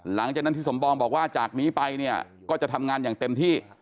หลังจากนั้นที่สมปองบอกว่าจากนี้ไปเนี่ยก็จะทำงานอย่างเต็มที่